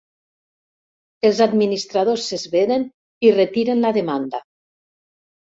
Els administradors s'esveren i retiren la demanda.